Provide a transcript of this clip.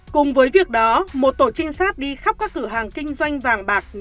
cùng với việc đó một tổ trinh sát đi khắp các cửa hàng kinh doanh vàng bạc